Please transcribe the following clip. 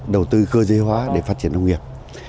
đầu tư cơ giới hóa để phát triển nông nghiệp